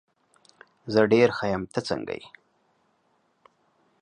زه ډېر ښه یم، ته څنګه یې؟